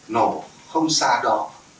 nổ không xa đó